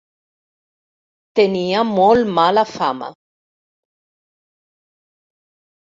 Tenia molt mala fama.